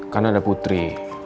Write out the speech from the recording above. kan ada putri